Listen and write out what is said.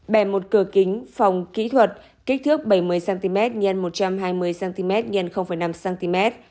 bè một cửa kính phòng kỹ thuật kích thước bảy mươi cm x một trăm hai mươi cm x một trăm hai mươi cm